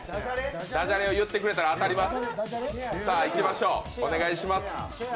ダジャレを言ってくれたら当たります。